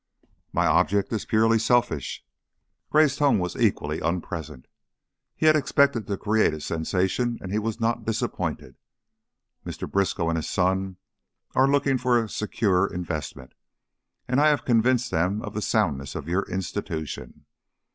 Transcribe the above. "My object is purely selfish." Gray's tone was equally unpleasant. He had expected to create a sensation, and he was not disappointed. "Mr. Briskow and his son are looking for a secure investment, and I have convinced them of the soundness of your institution.